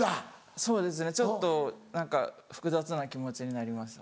そうですねちょっと何か複雑な気持ちになりました。